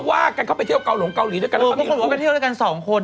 ว่ากันเข้าไปเที่ยวเกาหลงเกาหลีด้วยกันแล้วเขามีเที่ยวด้วยกันสองคน